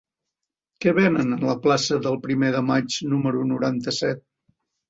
Què venen a la plaça del Primer de Maig número noranta-set?